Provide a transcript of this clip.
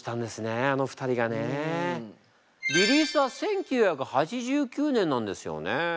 リリースは１９８９年なんですよね。